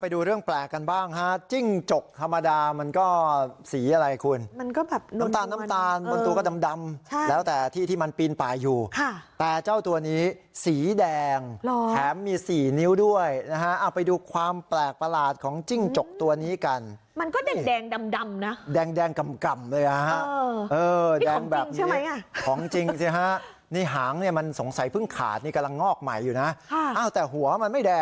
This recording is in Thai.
ไปดูเรื่องแปลกกันบ้างฮะจิ้งจกฮะฮะฮะจิ้งจกฮะฮะฮะฮะฮะฮะฮะฮะฮะฮะฮะฮะฮะฮะฮะฮะฮะฮะฮะฮะฮะฮะฮะฮะฮะฮะฮะฮะฮะฮะฮะฮะฮะฮะฮะฮะฮะฮะฮะฮะฮะฮะฮะฮะฮะ